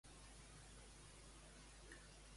Sobre què ha avisat Negueruela?